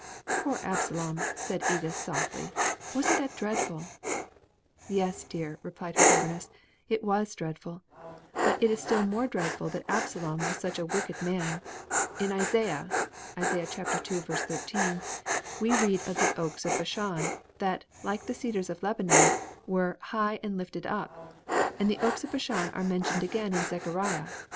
'" "Poor Absalom!" said Edith, softly. "Wasn't that dreadful?" "Yes, dear," replied her governess, "it was dreadful; but it is still more dreadful that Absalom was such a wicked man. In Isaiah we read of the oaks of Bashan, that, like the cedars of Lebanon, were 'high and lifted up,' and the oaks of Bashan are mentioned again in Zechariah.